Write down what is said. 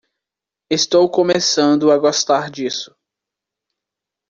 Estou começando a gostar disso.